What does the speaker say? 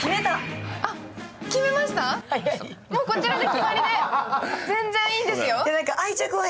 こちらで決まりで全然いいですよ。